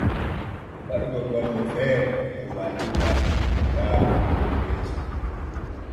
Waɗugo golle feere e wallita yaadu genni yeeso.